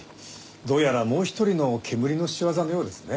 どうやらもう一人のけむりの仕業のようですね。